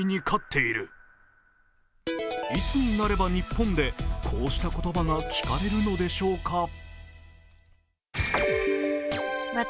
いつになれば日本でこうした言葉が聞かれるのでしょうか。